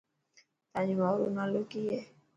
تانجي ماءُ رو نالو ڪي هي.